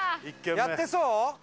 やってそう？